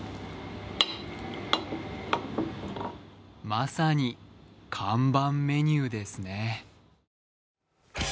まさに看板メニューですね。